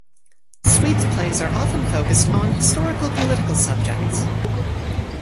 Sweet's plays are often focused on historical-political subjects.